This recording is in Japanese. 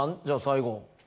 じゃあ最後。